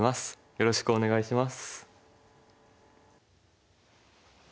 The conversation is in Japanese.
よろしくお願いします。